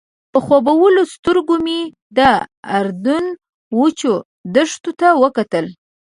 په خوبولو سترګو مې د اردن وچو دښتو ته وکتل.